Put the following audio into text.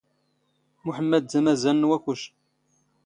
ⵎⵓⵃⵎⵎⴰⴷ ⴷ ⴰⵎⴰⵣⴰⵏ ⵏ ⵡⴰⴽⵓⵛ.